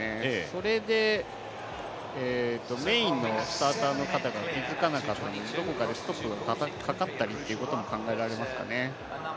それでメインのスターターの方が気づかなかったので、どこかでストップがかかったりということも考えられますかね。